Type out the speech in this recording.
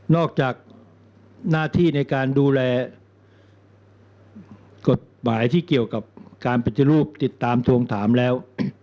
อกจากหน้าที่ในการดูแลกฎหมายที่เกี่ยวกับการปฏิรูปติดตามทวงถามแล้ว